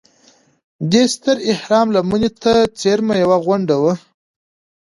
دې ستر اهرام لمنې ته څېرمه یوه غونډه وه.